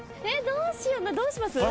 どうします？